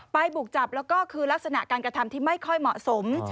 บุกจับแล้วก็คือลักษณะการกระทำที่ไม่ค่อยเหมาะสม